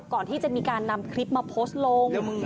ก่อนที่จะมีการนำคลิปมาโพสต์ลง